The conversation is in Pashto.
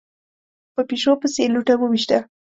په پيشو پسې يې لوټه وويشته.